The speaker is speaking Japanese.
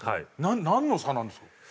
なんの差なんですか？